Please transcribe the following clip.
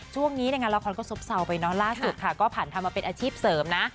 ช่วงนี้ในงานละครก็ซบเซาไปเนอะล่าสุดค่ะก็ผ่านทำมาเป็นอาชีพเสริมนะ